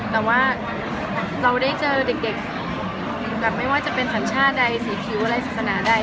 แต่ว่าเราได้เจอเด็กกับไม่ว่าจะเป็นธรรมชาติใดศิษย์ภิวอะไรศาสนาใด